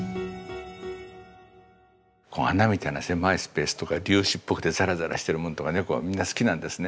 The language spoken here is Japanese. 孔みたいな狭いスペースとか粒子っぽくてザラザラしてるものとか猫はみんな好きなんですね。